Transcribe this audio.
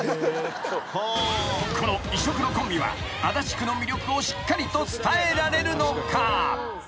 ［この異色のコンビは足立区の魅力をしっかりと伝えられるのか？］